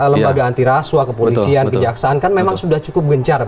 lembaga antiraswa kepolisian kejaksaan kan memang sudah cukup gencar